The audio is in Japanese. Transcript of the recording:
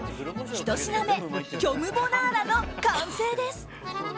１品目、虚無ボナーラの完成です。